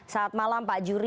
saat malam pak jury